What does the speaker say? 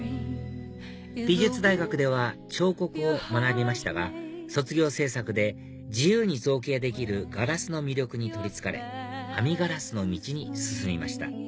美術大学では彫刻を学びましたが卒業制作で自由に造形できるガラスの魅力に取りつかれ編みガラスの道に進みました